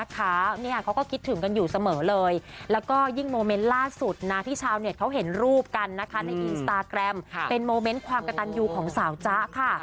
ก็ยิ่งมอเมนต์ล่าสุดนาที่ชาวเนี่ยเขาเห็นรูปกันนะคะในอินสตาแกรมเป็นมอเมนต์ความกระจัญอยูของสาวจ๊ะค่ะ